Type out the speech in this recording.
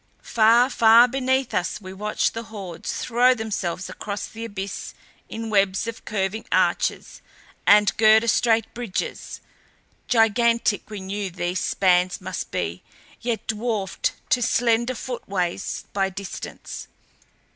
Far, far beneath us we watched the Hordes throw themselves across the abyss in webs of curving arches and girder straight bridges; gigantic we knew these spans must be yet dwarfed to slender footways by distance.